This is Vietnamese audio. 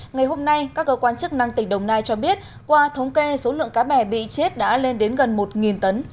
ngày hôm nay các cơ quan chức năng tỉnh đồng nai cho biết qua thống kê số lượng cá bè bị chết đã lên đến gần một tấn